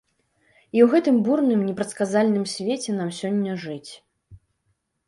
І ў гэтым бурным, непрадказальным свеце нам сёння жыць.